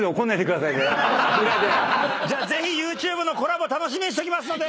じゃあぜひＹｏｕＴｕｂｅのコラボ楽しみにしときますので。